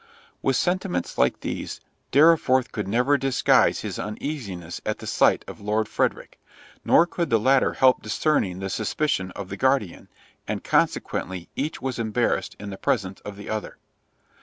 With sentiments like these, Dorriforth could never disguise his uneasiness at the sight of Lord Frederick, nor could the latter help discerning the suspicion of the guardian, and consequently each was embarrassed in the presence of the other.